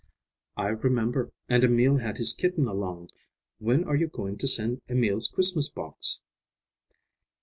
"I remember, and Emil had his kitten along. When are you going to send Emil's Christmas box?"